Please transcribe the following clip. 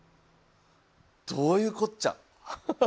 どういうこっちゃ。